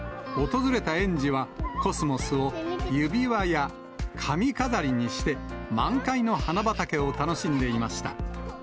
訪れた園児は、コスモスを指輪や髪飾りにして、満開の花畑を楽しんでいました。